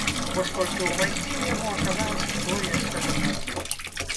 Вось толькі ўвайсці ў яго аказалася той яшчэ задачай.